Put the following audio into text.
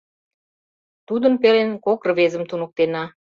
Тудын пелен кок рвезым туныктена.